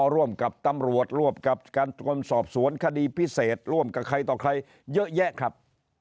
ร่วมกับตำรวจร่วมกับการตรวจสอบสวนคดีพิเศษร่วมกับใครต่อใครเยอะแยะครับ